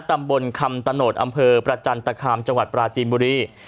ตำบลคำตะโนธอำเภอประจันตคามจังหวัดปราจีนบุรี